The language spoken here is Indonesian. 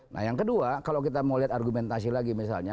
nah yang kedua kalau kita mau lihat argumentasi lagi misalnya